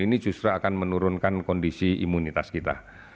ini justru akan menurunkan kondisi imunitas kita